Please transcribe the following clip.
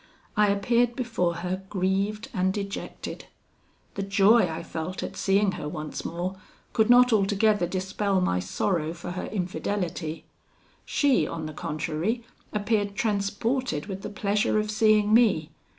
I appeared before her grieved and dejected. The joy I felt at seeing her once more could not altogether dispel my sorrow for her infidelity: she, on the contrary, appeared transported with the pleasure of seeing me.